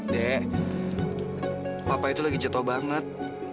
dek papa itu lagi ceto banget